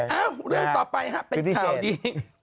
เรื่องต่อไปครับเป็นข่าวดี